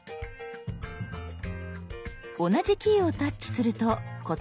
同じキーをタッチすると固定は解除。